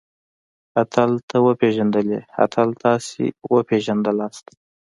اتل تۀ وپېژندلې؟ اتل تاسې وپېژندلئ؟